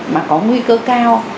mà có nguy cơ cao